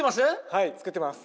はいつくってます。